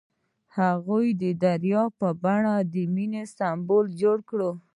هغه د دریا په بڼه د مینې سمبول جوړ کړ.